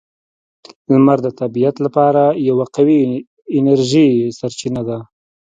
• لمر د طبیعت لپاره یوه قوی انرژي سرچینه ده.